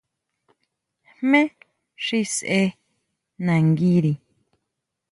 ¿Jmé xi sʼee nanguiri?